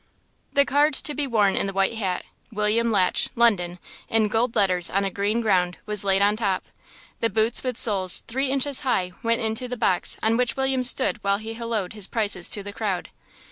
The card to be worn in the white hat "William Latch, London," in gold letters on a green ground was laid on top. The boots with soles three inches high went into the box on which William stood while he halloaed his prices to the crowd.